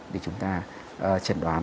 để chúng ta trần đoán